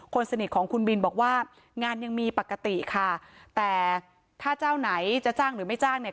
คนสนิทของคุณบินบอกว่างานยังมีปกติค่ะแต่ถ้าเจ้าไหนจะจ้างหรือไม่จ้างเนี่ย